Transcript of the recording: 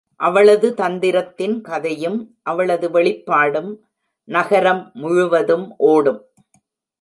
அவளது தந்திரத்தின் கதையும் அவளது வெளிப்பாடும் நகரம் முழுவதும் ஓடும்.